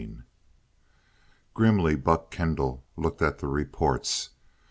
VIII Grimly Buck Kendall looked at the reports.